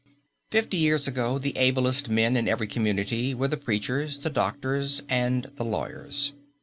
Fifty years ago the ablest men in every community were the preachers, the doctors, and the lawyers.